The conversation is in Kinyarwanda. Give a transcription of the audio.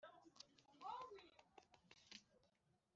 Dore itumba rirashize ryose